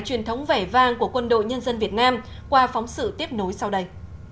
truyền thống vẻ vang của quân đội nhân dân việt nam qua phóng sự tiếp nối sau đây